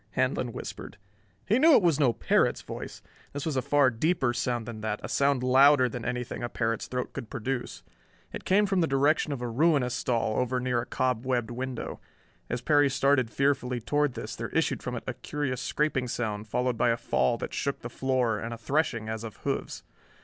Handlon whispered. He knew it was no parrot's voice. This was a far deeper sound than that, a sound louder than anything a parrot's throat could produce. It came from the direction of a ruinous stall over near a cobwebbed window. As Perry started fearfully toward this, there issued from it a curious scraping sound, followed by a fall that shook the floor, and a threshing as of hoofs.